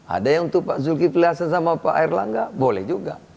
ada yang untuk pak zulkiflihasa sama pak airlangga boleh juga